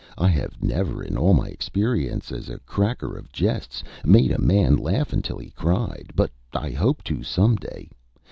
"I have never in all my experience as a cracker of jests made a man laugh until he cried, but I hope to some day.